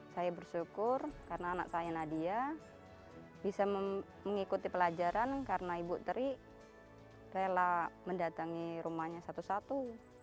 saya bersyukur karena anak saya nadia bisa mengikuti pelajaran karena ibu teri rela mendatangi rumahnya satu satu